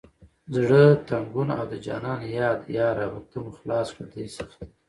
زړه تنګون او د جانان یاد یا ربه ته مو خلاص کړه دې سختي…